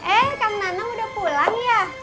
eh kang nana udah pulang ya